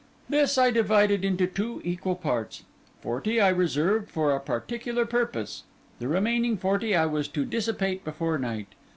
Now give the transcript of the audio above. This I divided into two equal parts; forty I reserved for a particular purpose; the remaining forty I was to dissipate before the night.